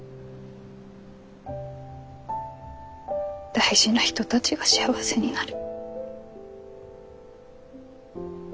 大事な人たちが幸せになる。